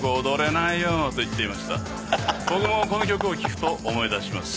僕もこの曲を聴くと思い出します。